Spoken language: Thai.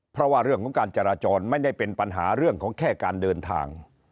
เพราะว่าเรื่องของการจราจรไม่ได้เป็นปัญหาเรื่องของแค่การเดินทาง